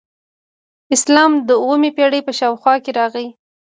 اسلام د اوومې پیړۍ په شاوخوا کې راغی